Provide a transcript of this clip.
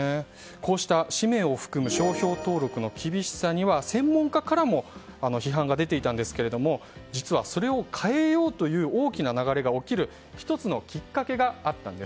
こうした氏名を含む商標登録の厳しさには専門家からも批判が出ていたんですが実は、それを変えようという大きな流れが起きる１つのきっかけがあったんです。